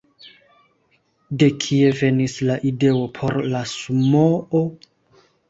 De kie venis la ideo por la sumoo?